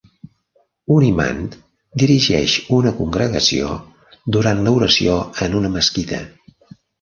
Un imant dirigeix una congregació durant l'oració en una mesquita.